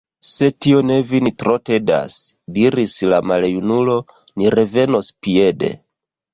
Se tio ne vin tro tedas, diris la maljunulo, ni revenos piede.